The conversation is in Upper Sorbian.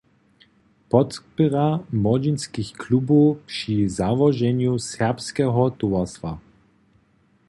- podpěra młodźinskich klubow při załoženju swójskeho towarstwa